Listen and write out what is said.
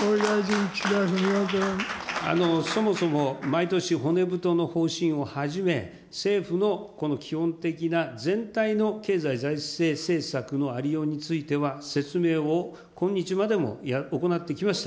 そもそも毎年、骨太の方針をはじめ、政府の基本的な全体の経済財政政策のありようについては、説明を今日までも行ってきました。